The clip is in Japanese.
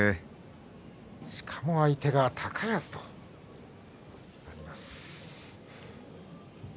しかも相手は高安となります。